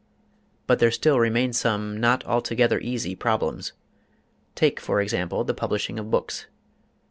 But there still remain some not altogether easy problems. Take, for example, the publishing of books.